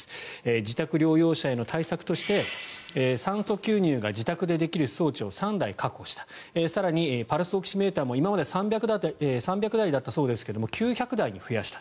自宅療養者への対策として酸素吸入が自宅でできる装置を３台確保した更にパルスオキシメーターも今まで３００台だったけど９００台に増やした。